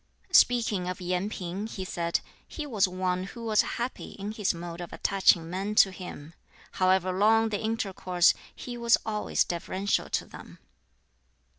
Speaking of Yen Ping, he said, "He was one who was happy in his mode of attaching men to him. However long the intercourse, he was always deferential to them."